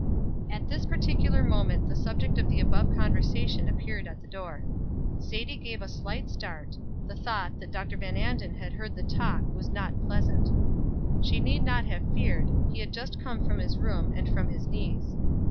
At this particular moment the subject of the above conversation appeared in the door. Sadie gave a slight start; the thought that Dr. Van Anden had heard the talk was not pleasant. She need not have feared, he had just come from his room, and from his knees.